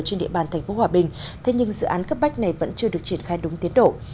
trên địa bàn tp hòa bình thế nhưng dự án cấp bách này vẫn chưa được triển khai đúng tiến độ